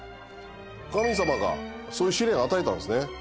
神様がそういう試練、与えたんですね。